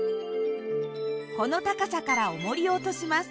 この高さからおもりを落とします。